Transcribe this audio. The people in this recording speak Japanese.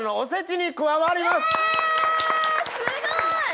えすごい！